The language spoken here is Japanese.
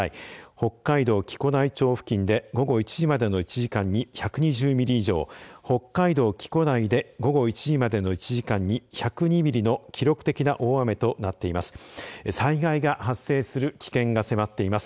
北海道木古内町付近で午後１時までの１時間に１２０ミリ以上北海道木古内で午後１時までの１時間に１０２ミリの記録的な大雨となっています。